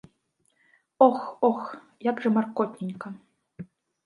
Ох, ох, як жа маркотненька!